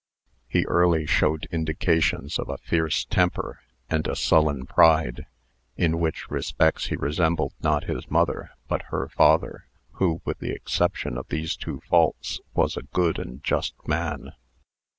"He early showed indications of a fierce temper and a sullen pride, in which respects he resembled not his mother, but her father, who, with the exception of these two faults, was a good and just man.